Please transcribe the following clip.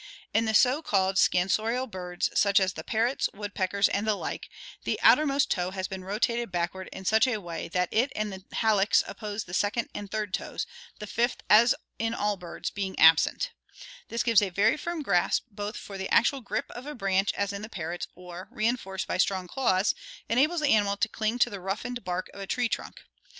In the so called scansorial birds such as the parrots, woodpeckers, SCANSORIAL ADAITATION 345 and the like, the outermost toe has been rotated backward in such a way that it and the hallux oppose the second and third toes, the fifth, as in all birds, being absent This gives a very firm grasp both for the actual grip of a branch as in the parrots or, reinforced by strong claws, enables the animal to cling to the roughened bark of a tree trunk.